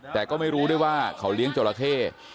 แต่ก็ไม่รู้ด้วยว่าเขาเลี้ยงจราเข้